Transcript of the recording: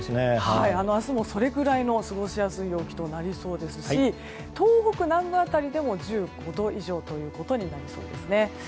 明日もそれくらいの過ごしやすい陽気となりそうですし東北南部辺りでも１５度以上ということになりそうですね。